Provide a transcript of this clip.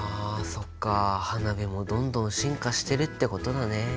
そっか花火もどんどん進化してるってことだね。